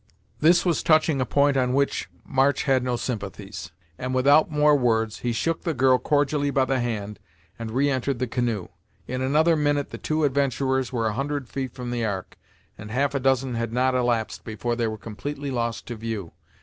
This was touching a point on which March had no sympathies, and without more words, he shook the girl cordially by the hand and re entered the canoe. In another minute the two adventurers were a hundred feet from the Ark, and half a dozen had not elapsed before they were completely lost to view.